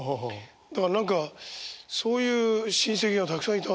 だから何かそういう親戚がたくさんいたんですね。